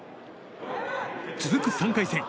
続く３回戦。